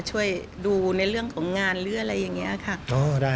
ช่วยดูในเรื่องของงานหรืออะไรอย่างนี้ค่ะ